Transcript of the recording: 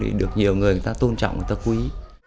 thì được nhiều người người ta tôn trọng người ta quý